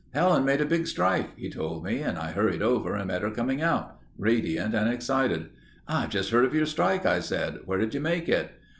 "Helen made a big strike," he told me and I hurried over and met her coming out—radiant and excited. "I've just heard of your strike," I said. "Where did you make it?"